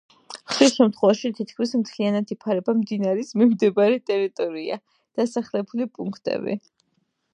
ხშირ შემთხვევაში თითქმის მთლიანად იფარება მდინარის მიმდებარე ტერიტორია, დასახლებული პუნქტები.